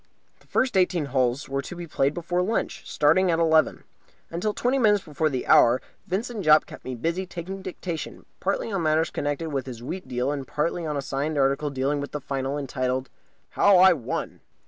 The first eighteen holes were to be played before lunch, starting at eleven. Until twenty minutes before the hour Vincent Jopp kept me busy taking dictation, partly on matters connected with his wheat deal and partly on a signed article dealing with the Final, entitled "How I Won."